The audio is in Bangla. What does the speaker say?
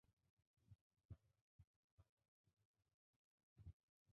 যা তা কাকে বলেছিস, হ্যাঁ?